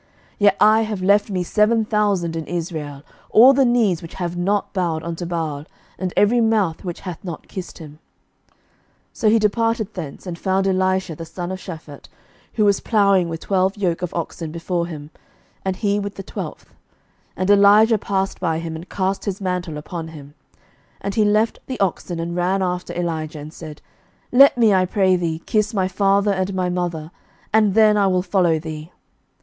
11:019:018 Yet I have left me seven thousand in Israel, all the knees which have not bowed unto Baal, and every mouth which hath not kissed him. 11:019:019 So he departed thence, and found Elisha the son of Shaphat, who was plowing with twelve yoke of oxen before him, and he with the twelfth: and Elijah passed by him, and cast his mantle upon him. 11:019:020 And he left the oxen, and ran after Elijah, and said, Let me, I pray thee, kiss my father and my mother, and then I will follow thee.